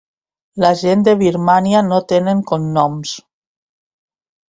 La gent de Birmània no tenen cognoms.